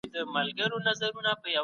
لويه جرګه د هېواد تر ټولو ستره شورا ده.